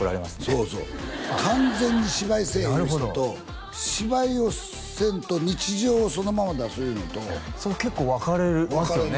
そうそう完全に芝居せえ言う人と芝居をせんと日常をそのまま出すいうのと結構分かれますよね